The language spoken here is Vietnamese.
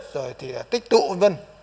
rồi thì là tích tụ v v